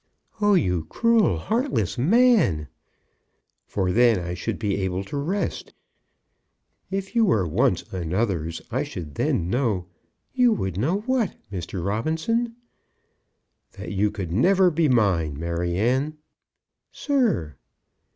"Oh, you cruel, heartless man!" "For then I should be able to rest. If you were once another's, I should then know " "You would know what, Mr. Robinson?" "That you could never be mine. Maryanne!" "Sir!"